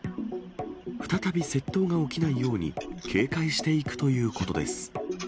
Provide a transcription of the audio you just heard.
再び窃盗が起きないように、警戒していくということです。